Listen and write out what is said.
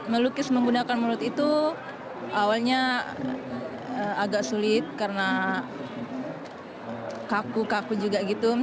melukis menggunakan mulut itu awalnya agak sulit karena kaku kaku juga gitu